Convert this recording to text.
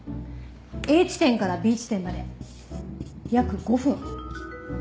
Ａ地点からＢ地点まで約５分。